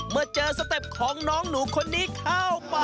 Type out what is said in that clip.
เมื่อเจอสเต็ปของน้องหนูคนนี้เข้ามา